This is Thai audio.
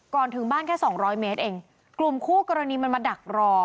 ถึงบ้านแค่สองร้อยเมตรเองกลุ่มคู่กรณีมันมาดักรอ